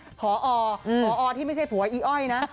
พอพอที่ไม่ใช่ผัวอีอ้อยนะ